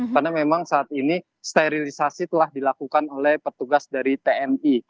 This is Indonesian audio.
karena memang saat ini sterilisasi telah dilakukan oleh petugas dari tni